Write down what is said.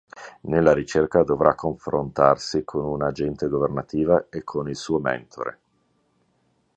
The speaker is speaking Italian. Nella ricerca dovrà confrontarsi con una agente governativa e con il suo mentore.